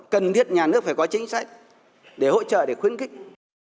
cần thiết nhà nước phải có chính sách để hỗ trợ để khuyến khích